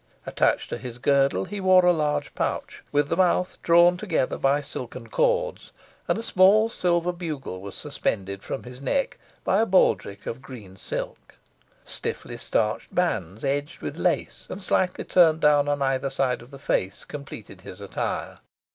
Attached to his girdle he wore a large pouch, with the mouth drawn together by silken cords, and a small silver bugle was suspended from his neck by a baldric of green silk. Stiffly starched bands, edged with lace, and slightly turned down on either side of the face, completed his attire.